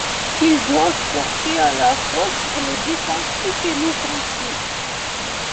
Ils doivent porter à la fois sur le défensif et l’offensif.